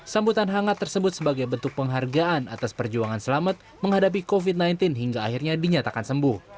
sambutan hangat tersebut sebagai bentuk penghargaan atas perjuangan selamat menghadapi covid sembilan belas hingga akhirnya dinyatakan sembuh